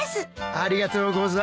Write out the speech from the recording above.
ありがとうございます。